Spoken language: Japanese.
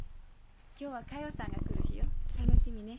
今日は加代さんが来る日よ楽しみね。